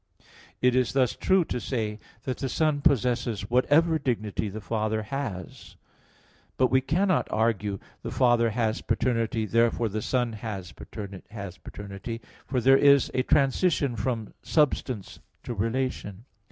It is thus true to say that the Son possesses whatever dignity the Father has; but we cannot argue "the Father has paternity, therefore the Son has paternity," for there is a transition from substance to relation.